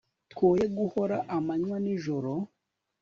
twoye guhora amanywa n,ijoro